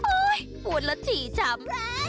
อุ๊ยปวดแล้วฉี่ทำ